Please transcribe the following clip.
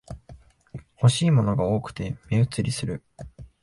欲しいものが多くて目移りする